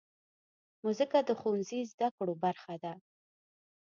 مځکه د ښوونځي زدهکړو برخه ده.